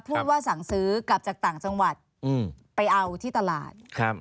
พูดว่าสั่งซื้อกลับจากต่างจังหวัดไปเอาที่ตลาดครับ